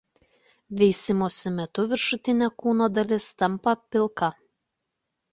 Veisimosi metu viršutinė kūno dalis tampa pilka.